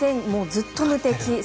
ずっと無敵。